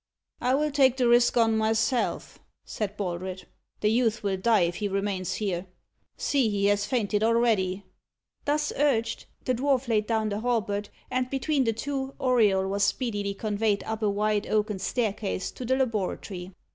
"I will take the risk on myself," said Baldred. "The youth will die if he remains here. See, he has fainted already!" Thus urged, the dwarf laid down the halberd, and between the two, Auriol was speedily conveyed up a wide oaken staircase to the laboratory.